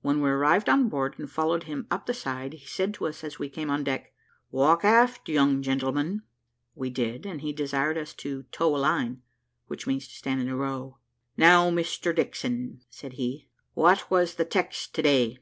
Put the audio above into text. When we arrived on board and followed him up the side, he said to us as we came on deck, "Walk aft, young gentlemen." We did; and he desired us to "toe a line," which means to stand in a row. "Now, Mr Dixon," said he, "what was the text today?"